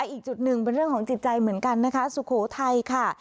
อีกจุดหนึ่งเป็นเรื่องของจิตใจเหมือนกันนะคะสุโขทัยค่ะ